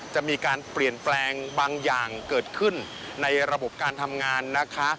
จะมีการเปลี่ยนแปลงบางอย่างเกิดขึ้นในระบบการทำงานนะคะ